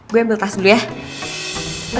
gue ambil tas dulu ya